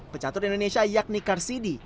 pecatur indonesia yakni karsidi